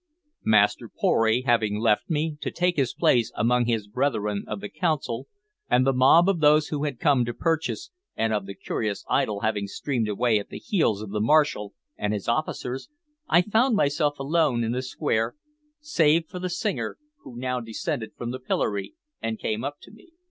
Master Pory having left me, to take his place among his brethren of the Council, and the mob of those who had come to purchase and of the curious idle having streamed away at the heels of the marshal and his officers, I found myself alone in the square, save for the singer, who now descended from the pillory and came up to me.